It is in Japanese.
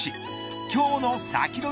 今日のサキドリ！